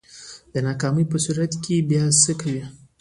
د ناکامۍ په صورت کی بیا څه کوئ؟